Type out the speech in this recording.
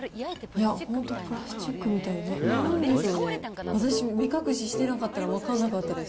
いや、本当にプラスチックみたいな、なんでしょうね、私も目隠ししてなかったら分からなかったです。